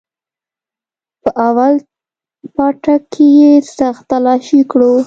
په اول پاټک کښې يې سخت تلاشي كړو.